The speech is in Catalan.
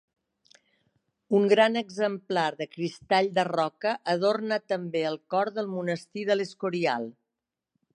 Un gran exemplar de cristall de roca adorna també el cor del monestir de l'Escorial.